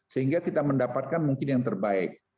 sehingga kita mendapatkan mungkin yang terbaik